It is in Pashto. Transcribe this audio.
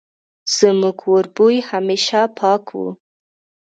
زموږ وربوی همېشه پاک وو